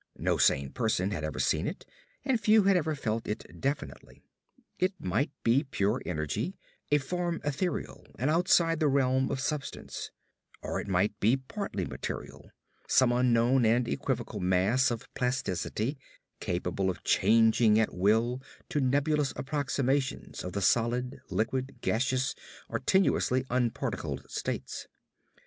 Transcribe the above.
No sane person had ever seen it, and few had ever felt it definitely. It might be pure energy a form ethereal and outside the realm of substance or it might be partly material; some unknown and equivocal mass of plasticity, capable of changing at will to nebulous approximations of the solid, liquid, gaseous, or tenuously unparticled states.